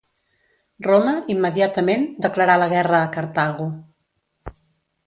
Roma, immediatament, declarà la guerra a Cartago.